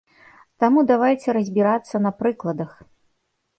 Таму, давайце разбірацца на прыкладах.